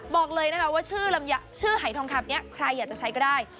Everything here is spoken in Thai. บอกเลยนะคะว่าชื่อหายทองคำนี้ใครอยากจะใช้ก็ได้